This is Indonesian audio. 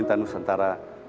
selalu kecem perut